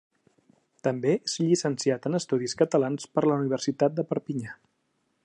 També és llicenciat en Estudis Catalans per la Universitat de Perpinyà.